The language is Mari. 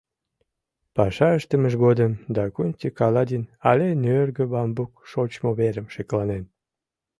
Паша ыштымыж годым Дакунти каладин але нӧргӧ бамбук шочмо верым шекланен.